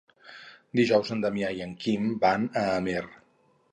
Dijous en Damià i en Quim van a Amer.